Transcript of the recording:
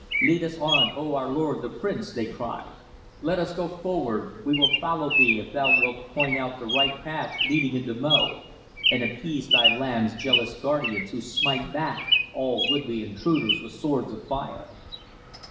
"Lead us on, O our lord the prince!" they cried. "Let us go forward. We will follow thee if thou wilt point out the right path leading unto Mo, and appease thy land's jealous guardians who smite back all would be intruders with swords of fire."